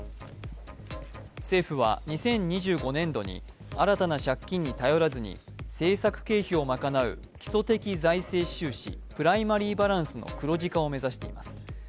政府は２０２５年度に新たな借金に頼らずに基礎的財政収支＝プライマリーバランスの黒字化を目指しています。